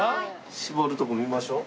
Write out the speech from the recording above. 絞るとこ見ましょう。